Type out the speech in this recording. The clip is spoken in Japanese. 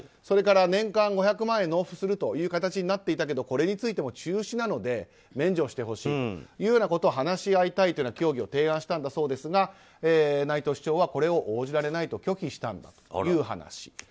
それから年間５００万円納付するということになっていましたがこれについても中止なので免除してほしいということを話し合いたいという協議を提案したんだそうですが内藤市長はこれを応じられないと拒否したという話。